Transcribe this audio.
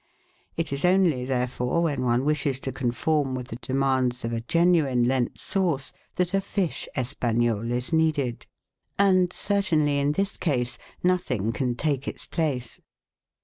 It is only, therefore, when one wishes to conform with the demands of a genuine Lent sauce that a fish Espagnole is needed. And, certainly in this case, nothing can take its place.